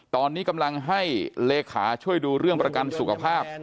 ตอนนี้กำลังให้เลขาช่วยดูเรื่องประกันสุขภาพ